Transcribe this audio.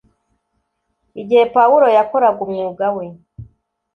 Igihe Pawulo yakoraga umwuga we,